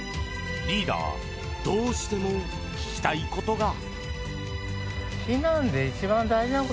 リーダーどうしても聞きたいことが。